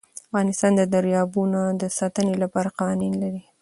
افغانستان د دریابونه د ساتنې لپاره قوانین لري.